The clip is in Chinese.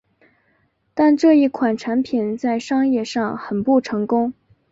但这一款产品在商业上很不成功。